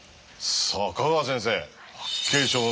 さあ賀川先生